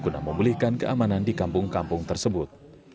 dan keamanan di kampung kampung tersebut